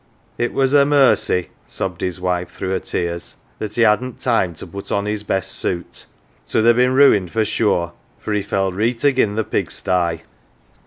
" It was a mercy," sobbed his wife through her tears, " that he hadn't time to put on his best suit. 'T 'ud ha' bin ruined for sure, for he fell reet again th' pigsty."